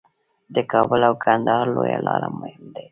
د کابل او کندهار لویه لار مهمه ده